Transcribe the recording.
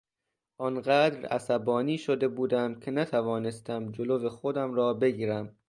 آنقدر عصبانی شده بودم که نتوانستم جلو خودم را بگیرم.